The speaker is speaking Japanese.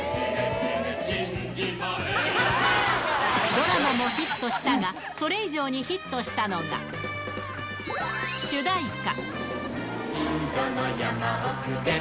ドラマもヒットしたが、それ以上にヒットしたのが、主題歌。